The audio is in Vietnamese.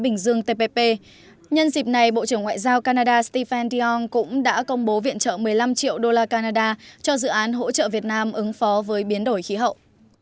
bình dương tpp nhân dịp này bộ trưởng ngoại giao canada stephen diong cũng đã công bố viện trợ một mươi năm triệu đô la canada cho dự án hỗ trợ việt nam ứng phó với biến đổi khí hậu